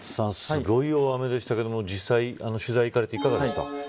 すごい大雨でしたけれども、実際取材行かれていかがでした。